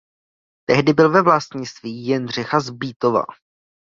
Tehdy byl ve vlastnictví Jindřicha z Bítova.